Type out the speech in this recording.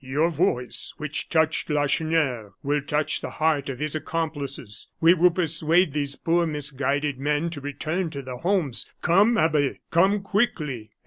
Your voice, which touched Lacheneur, will touch the heart of his accomplices. We will persuade these poor, misguided men to return to their homes. Come, Abbe; come quickly!"